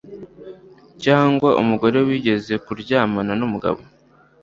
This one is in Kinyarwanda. cyangwa umugore wigeze kuryamana n'umugabo